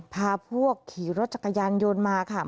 พาพวกขี่รถจักรยานยนต์มาค่ะ